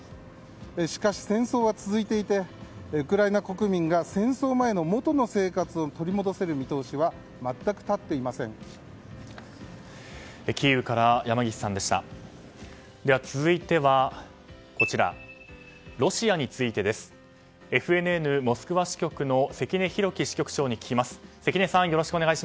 しかし、戦争は続いていてウクライナ国民が戦争前の元の生活を取り戻せる見通しはキーウから山岸さんでした。